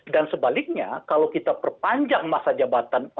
dan sebaliknya kalau kita perpanjang masa jabatan